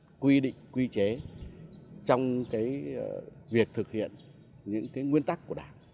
trong cái quy định quy chế trong cái việc thực hiện những cái nguyên tắc của đảng